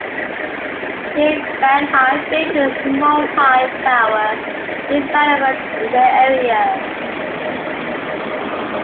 Shane Baghai built a multi-tower development in the area.